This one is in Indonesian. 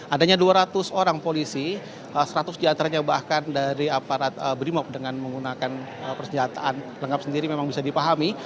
adanya dua ratus orang polisi seratus diantaranya bahkan dari aparat brimop dengan menggunakan persenjataan lengkap sendiri memang bisa dipahami